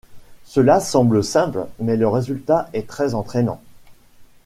Cela semble simple mais le résultat est très entrainant.